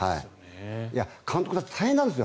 監督だって大変なんですよ。